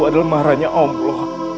ku adalah marahnya wobloh